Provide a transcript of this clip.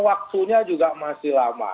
waktunya juga masih lama